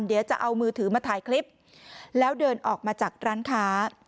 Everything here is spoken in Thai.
เดี๋ยวจะเอามือถือมาถ่ายคลิปแล้วเดินออกมาจากร้านค้า